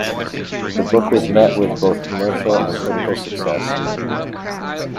The book was met with both commercial and critical success.